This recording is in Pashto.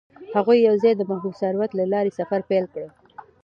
هغوی یوځای د محبوب سرود له لارې سفر پیل کړ.